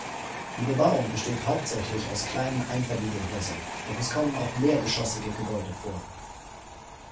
Die Bebauung besteht hauptsächlich aus kleinen Einfamilienhäusern, doch es kommen auch mehrgeschossige Gebäude vor.